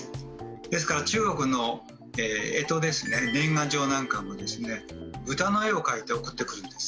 ですから中国の干支ですね年賀状なんかもですね豚の絵を描いて送ってくるんです。